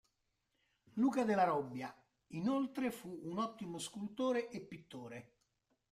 Luca Della Robbia, inoltre fu un ottimo scultore e pittore.